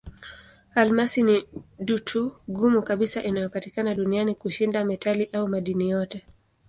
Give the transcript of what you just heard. Almasi ni dutu ngumu kabisa inayopatikana duniani kushinda metali au madini yote.